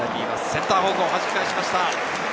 センターにはじき返しました。